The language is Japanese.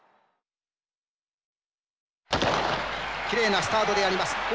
きれいなスタートであります。